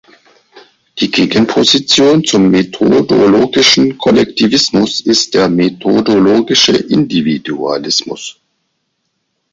Die Gegenposition zum methodologischen Kollektivismus ist der methodologische Individualismus.